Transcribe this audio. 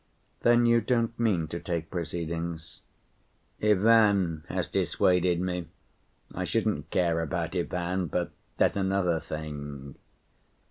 "Then you don't mean to take proceedings?" "Ivan has dissuaded me. I shouldn't care about Ivan, but there's another thing."